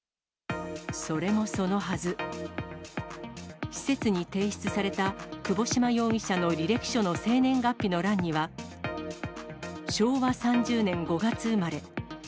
それもそのはず、施設に提出された窪島容疑者の履歴書の生年月日の欄には、昭和３０年５月生まれ。